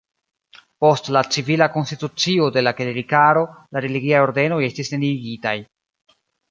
Post la civila konstitucio de la klerikaro, la religiaj ordenoj estis neniigitaj.